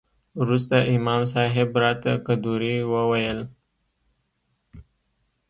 وروسته امام صاحب راته قدوري وويل.